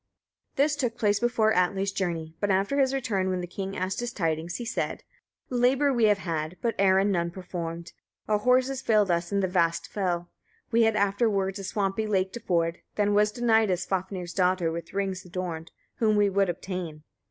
This took place before Atli's journey; but after his return, when the king asked his tidings, he said: 5. Labour we have had, but errand none performed; our horses failed us in the vast fell; we had afterwards a swampy lake to ford; then was denied us Svafnir's daughter with rings adorned, whom we would obtain.